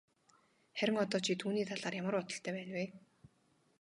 Харин одоо чи түүний талаар ямар бодолтой байна вэ?